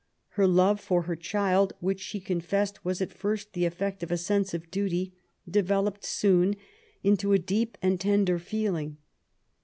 Her love for her child, which she confessed was at first the effect of a sense of duty, developed soon into a deep and tender feeling.